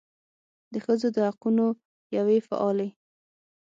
د ښځو د حقونو یوې فعالې